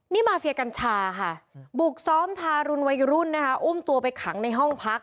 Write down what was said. นี่มาเฟียกัญชาค่ะบุกซ้อมทารุณวัยรุ่นนะคะอุ้มตัวไปขังในห้องพัก